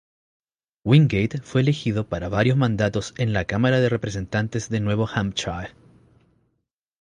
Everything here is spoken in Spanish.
Wingate fue elegido para varios mandatos en la Cámara de Representantes de Nuevo Hampshire.